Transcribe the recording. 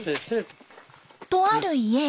とある家へ。